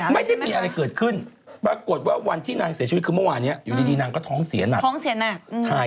เขาไม่ใช่เป็นฮาร์ดแอตแท็กเหรอหมายถึงว่าเป็นท้องเสียก่อนคุณแม่